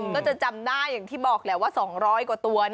ก็จะจำได้อย่างที่บอกแหละว่า๒๐๐กว่าตัว